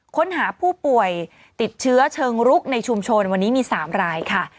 ค้นหาผู้ป่วยติดเชื้อเชิงรุกในชุมชนวันนี้มี๓รายค่ะ